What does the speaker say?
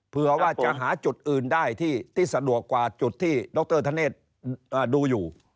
เพื่อว่าจะหาจุดอื่นได้ที่สะดวกกว่าจุดที่ดรธเนธดูอยู่